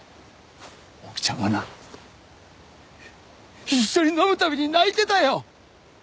大木ちゃんはな一緒に飲む度に泣いてたよ！